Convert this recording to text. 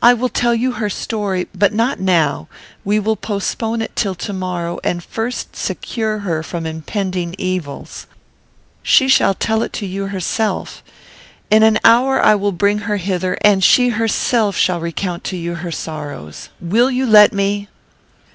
I will tell you her story, but not now; we will postpone it till to morrow, and first secure her from impending evils. She shall tell it you herself. In an hour I will bring her hither, and she herself shall recount to you her sorrows. Will you let me?"